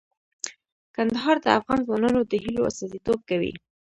کندهار د افغان ځوانانو د هیلو استازیتوب کوي.